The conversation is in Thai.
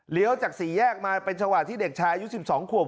เหลียวจาก๔แยกมาเป็นจังหวัดที่เด็กชายู๑๒ควบ